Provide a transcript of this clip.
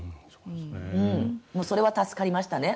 それは助かりましたね。